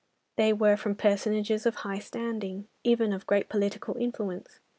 They were from personages of high standing, even of great political influence.